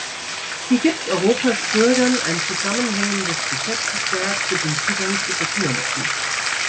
Sie gibt Europas Bürgern ein zusammenhängendes Gesetzeswerk für den Zugang zu Dokumenten.